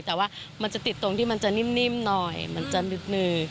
แต่ว่ามันจะติดตรงที่มันจะนิ่มหน่อยมันจะหนึบ